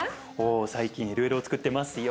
最近いろいろつくってますよ。